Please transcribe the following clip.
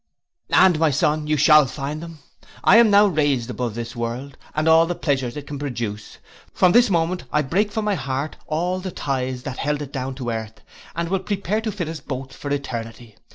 'And, my son, you shall find them. I am now raised above this world, and all the pleasures it can produce. From this moment I break from my heart all the ties that held it down to earth, and will prepare to fit us both for eternity.